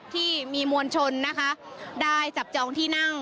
ที่มีมวลชนนะคะได้จับจองที่นั่ง